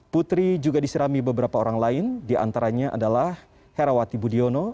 putri juga diserami beberapa orang lain diantaranya adalah herawati budiono